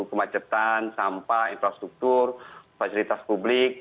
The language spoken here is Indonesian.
kemacetan sampah infrastruktur fasilitas publik